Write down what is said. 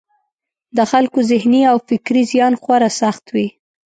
د خلکو ذهني او فکري زیان خورا سخت وي.